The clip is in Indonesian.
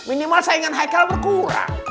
minimal saingan haikal berkurang